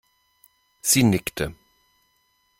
Sie nickte.